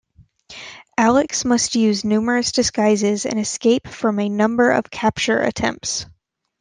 Alex must use numerous disguises and escape from a number of capture attempts.